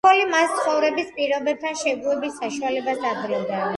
ალკოჰოლი მას ცხოვრების პირობებთან შეგუების საშუალებას აძლევდა.